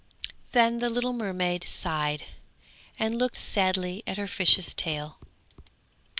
Then the little mermaid sighed and looked sadly at her fish's tail.